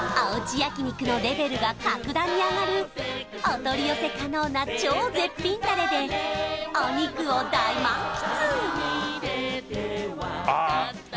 焼肉のレベルが格段に上がるお取り寄せ可能な超絶品タレでお肉を大満喫！